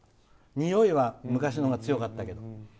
においは昔のほうが強かったけど。